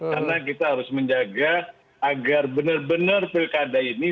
karena kita harus menjaga agar benar benar pilkada ini